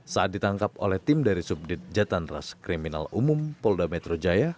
saat ditangkap oleh tim dari subdit jatanras kriminal umum polda metro jaya